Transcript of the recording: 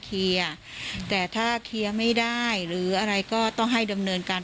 เคลียร์แต่ถ้าเคลียร์ไม่ได้หรืออะไรก็ต้องให้ดำเนินการ